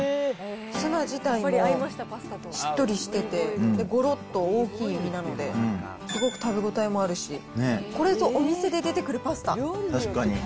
ツナ自体もしっとりしてて、ごろっと大きい身なので、すごく食べ応えもあるし、これぞお店で出てくるパスタ。